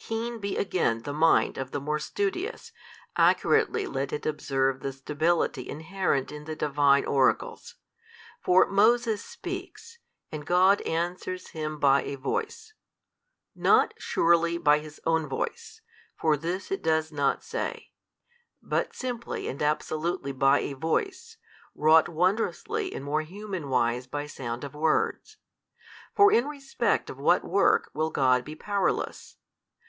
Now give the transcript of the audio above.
Keen be again the mind of the more studious, accurately let it observe the stability inherent in the Divine Oracles. For Moses speaks, and God answers him by a voice, not surely by His Own Voice, for this it does not say, but simply and absolutely by a voice, wrought wondrously in more human wise by sound of words. For in respect of what work will God be powerless?